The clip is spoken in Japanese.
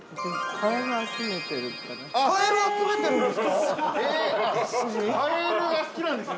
◆カエル集めてるんですか！？